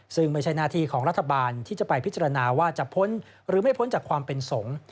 ซึ่งไม่ใช่หน้าที่ของรัฐบาลที่จะไปพิจารณาว่าจะพ้นหรือไม่พ้นจากความเป็นสงฆ์